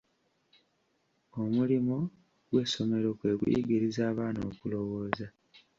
Omulimo gw'essomero kwe kuyigiriza abaana okulowooza.